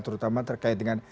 terutama terkait dengan indonesia